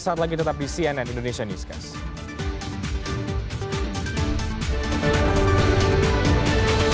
saat lagi tetap di cnn indonesia newscast